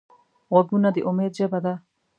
غوږونه د امید ژبه ده